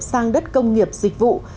sang đất công nghiệp dịch vụ